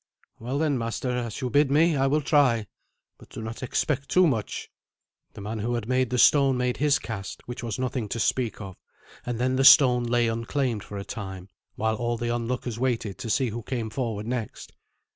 "Well then, master, as you bid me, I will try. But do not expect too much." The man who had the stone made his cast, which was nothing to speak of; and then the stone lay unclaimed for a time, while all the onlookers waited to see who came forward next.